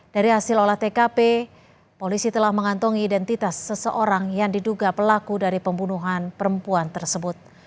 dari hasil olah tkp polisi telah mengantongi identitas seseorang yang diduga pelaku dari pembunuhan perempuan tersebut